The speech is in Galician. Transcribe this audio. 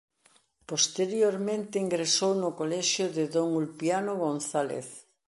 Posteriormente ingresou no colexio de don Ulpiano González.